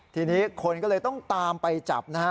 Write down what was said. ทีนี้คนก็เลยต้องตามไปจับนะฮะ